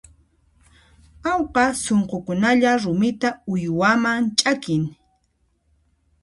Awqa sunqukunalla rumita uywaman ch'aqin.